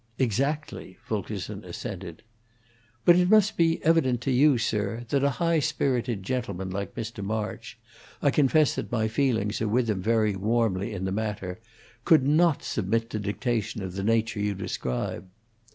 "Exactly," Fulkerson assented. "But it must be evident to you, sir, that a high spirited gentleman like Mr. March I confess that my feelings are with him very warmly in the matter could not submit to dictation of the nature you describe."